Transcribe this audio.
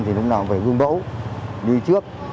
thì lúc nào cũng phải vương bẫu đi trước